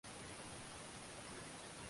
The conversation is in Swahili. Anachukiwa kwa sababu ya tabia zake mbovu